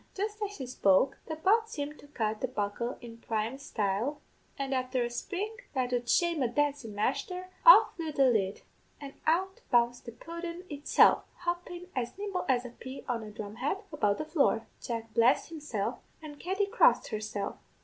"Jist as she spoke, the pot seemed to cut the buckle in prime style, and afther a spring that 'ud shame a dancin' masther, off flew the lid, and out bounced the pudden itself, hoppin', as nimble as a pea on a drum head, about the floor. Jack blessed himself, and Katty crossed herself.